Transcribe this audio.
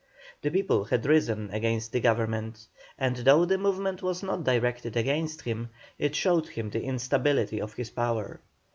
The people had risen against the Government, and though the movement was not directed against him, it showed him the instability of his power.